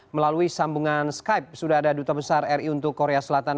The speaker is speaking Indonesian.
melalui sambungan skype sudah ada duta besar ri untuk korea selatan